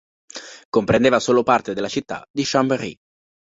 Comprendeva solo parte della città di Chambéry.